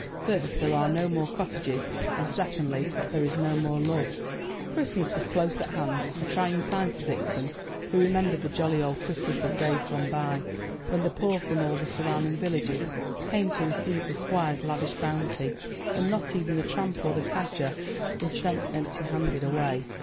First, there are no more cottages; and secondly, there is no more love." Christmas was close at hand: a trying time for Vixen, who remembered the jolly old Christmas of days gone by, when the poor from all the surrounding villages came to receive the Squire's lavish bounty, and not even the tramp or the cadger was sent empty handed away.